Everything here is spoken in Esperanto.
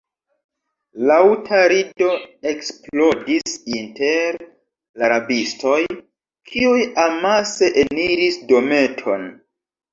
Laŭta rido eksplodis inter la rabistoj, kiuj amase eniris dometon.